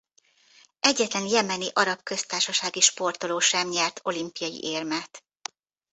Egyetlen jemeni arab köztársasági sportoló sem nyert olimpiai érmet.